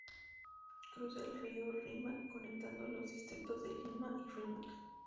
Cruza el río Rímac conectando los distritos de Lima y Rímac.